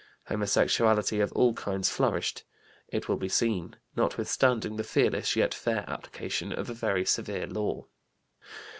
Homosexuality of all kinds flourished, it will be seen, notwithstanding the fearless yet fair application of a very severe law.